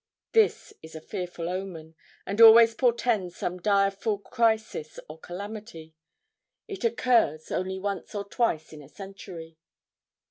This is a fearful omen, and always portends some direful crisis or calamity. It occurs, only once or twice in a century.